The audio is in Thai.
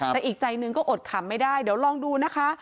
แต่อีกใจหนึ่งก็อดขำไม่ได้เดี๋ยวลองดูนะคะ